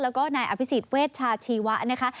แล้วก็นายอภิษฎเวชชาชีวะนะคะ